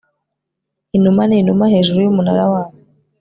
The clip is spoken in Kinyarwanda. Inuma ninuma hejuru yumunara wabo